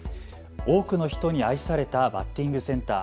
多くの人に愛されたバッティングセンター。